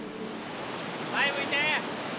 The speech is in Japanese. ・前向いて。